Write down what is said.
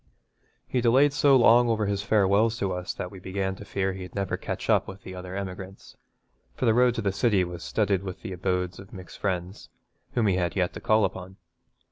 He delayed so long over his farewells to us that we began to fear he'd never catch up with the other emigrants, for the road to the city was studded with the abodes of Mick's friends, whom he had yet to call upon.